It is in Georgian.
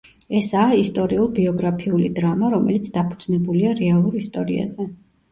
ესაა ისტორიულ-ბიოგრაფიული დრამა, რომელიც დაფუძნებულია რეალურ ისტორიაზე.